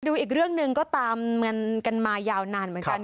อีกเรื่องหนึ่งก็ตามกันมายาวนานเหมือนกัน